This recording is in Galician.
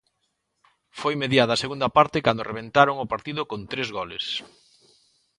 Foi mediada a segunda parte cando rebentaron o partido con tres goles.